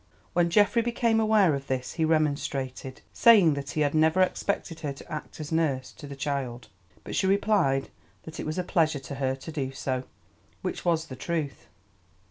When Geoffrey became aware of this he remonstrated, saying that he had never expected her to act as nurse to the child, but she replied that it was a pleasure to her to do so, which was the truth.